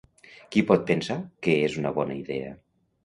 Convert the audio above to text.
Qui pot pensar que és una bona idea?